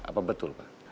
apa betul pak